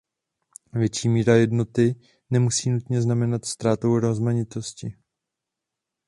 Větší míra jednoty nemusí nutně znamenat ztrátu rozmanitosti.